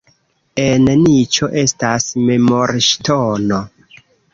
En niĉo estas memorŝtono.